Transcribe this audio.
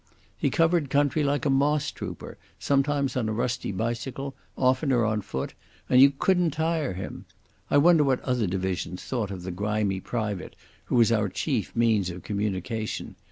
He covered country like a moss trooper, sometimes on a rusty bicycle, oftener on foot, and you couldn't tire him. I wonder what other divisions thought of the grimy private who was our chief means of communication.